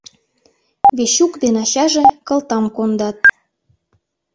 Вечук ден ачаже кылтам кондат.